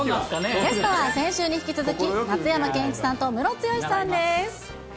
ゲストは先週に引き続き、松山ケンイチさんとムロツヨシさんです。